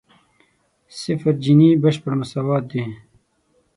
صفر جیني بشپړ مساوات دی.